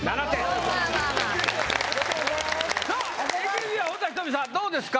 あＯＫですさあＡＫＢは本田仁美さんどうですか？